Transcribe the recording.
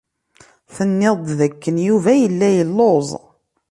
Tenniḍ-d dakken Yuba yella yelluẓ.